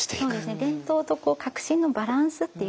伝統と革新のバランスっていう。